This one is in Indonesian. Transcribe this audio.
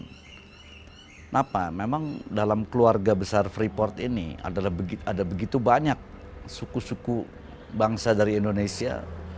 kenapa memang dalam keluarga besar freeport ini ada begitu banyak suku suku bangsa dari indonesia